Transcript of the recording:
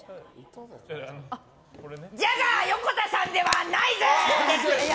ジャガー横田さんではないぜ！